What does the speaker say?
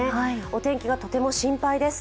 お天気がとても心配です。